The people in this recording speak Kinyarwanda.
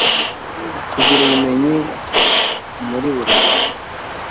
kugira ubumenyi muri buraye.”